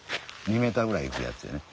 ２ｍぐらいいくやつやね。